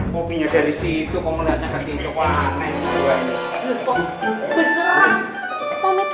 kopinya dari situ kok ngeliatnya kesitu